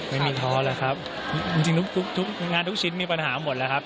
ไม่มีท้อเลยครับจริงทุกทุกงานทุกชิ้นมีปัญหาหมดแล้วครับ